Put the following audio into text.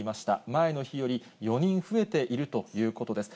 前の日より４人増えているということです。